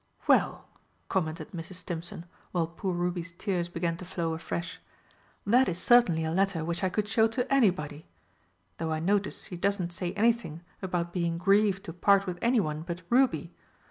"Well," commented Mrs. Stimpson, while poor Ruby's tears began to flow afresh, "that is certainly a letter which I could show to anybody. Though I notice she doesn't say anything about being grieved to part with anyone but Ruby.